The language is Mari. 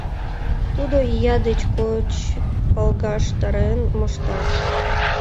Тудо ия деч коч алгаштарен мошта.